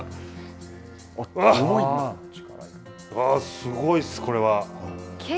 すごいです、これは。